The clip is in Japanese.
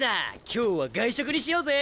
今日は外食にしようぜ！